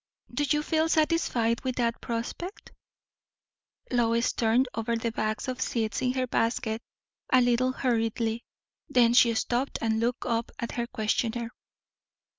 "Do you feel satisfied with that prospect?" Lois turned over the bags of seeds in her basket, a little hurriedly; then she stopped and looked up at her questioner.